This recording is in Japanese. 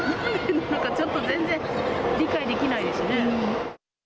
なんかちょっと、全然理解できないですね。